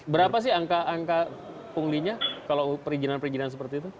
berapa sih angka angka punglinya kalau perizinan perizinan seperti itu